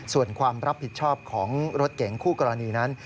ส่วนความรับผิดชอบของรถเก๋งคู่กรณีนั้น